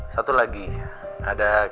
satu lagi ada yang